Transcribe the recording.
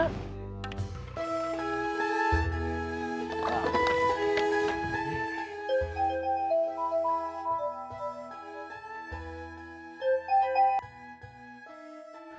aku lagi gak ada kegiatan nih